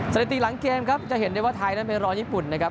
สถิติหลังเกมครับจะเห็นได้ว่าไทยนั้นไปรอญี่ปุ่นนะครับ